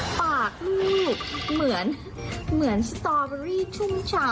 ปากลูกเหมือนสตอเบอรี่ชุ่มชา